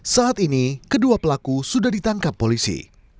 saat ini kedua pelaku sudah ditangkap polisi